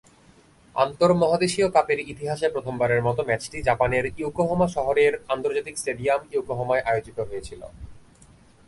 আন্তর্মহাদেশীয় কাপের ইতিহাসে প্রথমবারের মতো ম্যাচটি জাপানের ইয়োকোহামা শহরের আন্তর্জাতিক স্টেডিয়াম ইয়োকোহামায় আয়োজিত হয়েছিল।